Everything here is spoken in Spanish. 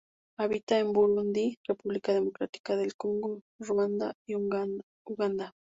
Habita en Burundi, República Democrática del Congo, Ruanda y Uganda.